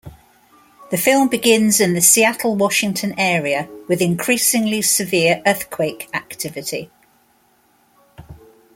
The film begins in the Seattle, Washington area with increasingly severe earthquake activity.